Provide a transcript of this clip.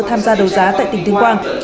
tham gia đấu giá tại tỉnh tuyên quang